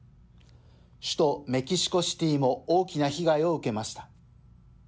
首都メキシコシティーも大きな被害を受けました。